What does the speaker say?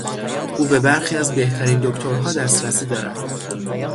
او به برخی از بهترین دکترها دسترسی دارد.